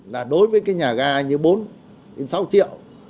là đối với cái nhà ga như bốn đến sáu triệu